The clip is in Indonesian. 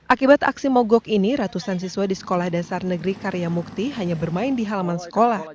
akibat aksi mogok ini ratusan siswa di sekolah dasar negeri karya mukti hanya bermain di halaman sekolah